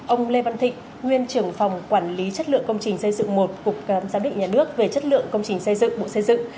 ông lê văn thịnh nguyên trưởng phòng quản lý chất lượng công trình xây dựng một cục giám định nhà nước về chất lượng công trình xây dựng bộ xây dựng